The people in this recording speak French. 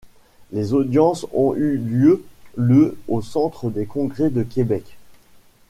Les audiences ont eu lieu le au Centre des congrès de Québec.